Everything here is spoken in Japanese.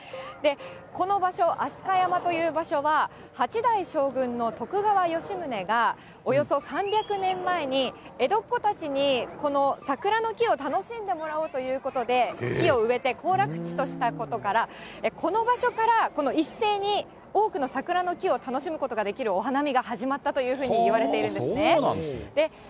この場所、飛鳥山という場所は、八代将軍の徳川吉宗が、およそ３００年前に、江戸っ子たちに、この桜の木を楽しんでもらおうということで、木を植えて、行楽地としたことから、この場所から一斉に多くの桜の木を楽しむことができるお花見が始まったというふうにいわれているんですね。